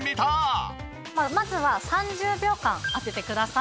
まずは３０秒間当ててください。